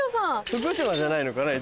福島じゃないのかね？